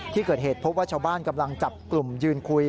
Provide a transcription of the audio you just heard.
ที่เกิดเหตุพบว่าชาวบ้านกำลังจับกลุ่มยืนคุย